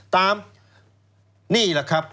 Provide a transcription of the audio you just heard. ตามนี่แหละครับ